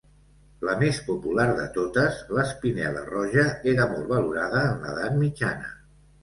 La més popular de totes, l'espinel·la roja, era molt valorada en l'edat mitjana.